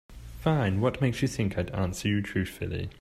Fine, what makes you think I'd answer you truthfully?